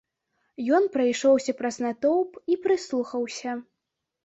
Ён прайшоўся праз натоўп і прыслухаўся.